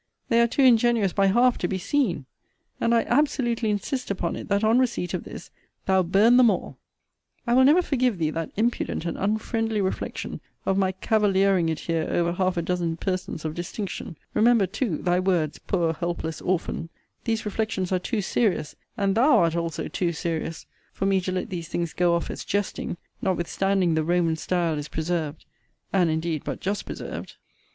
They are too ingenuous by half to be seen. And I absolutely insist upon it, that, on receipt of this, thou burn them all. I will never forgive thee that impudent and unfriendly reflection, of my cavaliering it here over half a dozen persons of distinction: remember, too, thy words poor helpless orphan these reflections are too serious, and thou art also too serious, for me to let these things go off as jesting; notwithstanding the Roman style* is preserved; and, indeed, but just preserved.